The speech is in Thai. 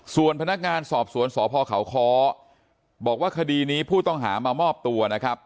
ส่วนพนักงานสอบสวนสพเขาค้อบอกว่าคดีนี้ผู้ต้องหามามอบตัวนะครับ